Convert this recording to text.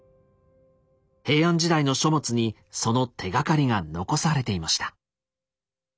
平安時代の書物にその手がかりが残されていました。